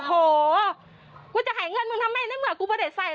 โอ้โหกูจะหายเงินมึงทำไมเนี่ยเงินกูไม่ได้ใส่รถ